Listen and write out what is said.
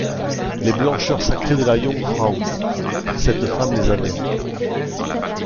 Les blancheurs sacrées de la Yungfrau, cette femme les avait.